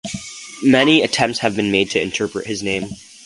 Many attempts have been made to interpret this name.